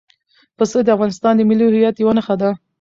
پسه د افغانستان د ملي هویت یوه نښه ده.